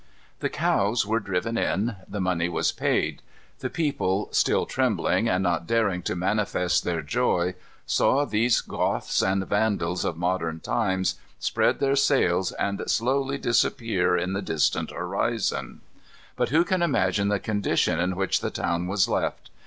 The cows were driven in. The money was paid. The people, still trembling, and not daring to manifest their joy, saw these Goths and Vandals of modern times, spread their sails, and slowly disappear in the distant horizon. But who can imagine the condition in which the town was left?